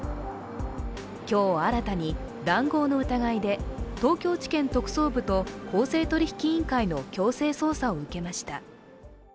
今日、新たに談合の疑いで東京地検特捜部と公正取引委員会の強制捜査を受けました。